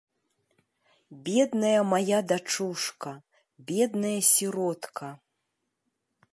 Бедная мая дачушка, бедная сіротка.